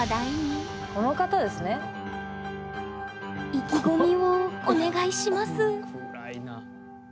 意気込みをお願いします